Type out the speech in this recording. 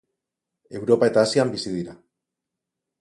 Europa eta Asian bizi dira.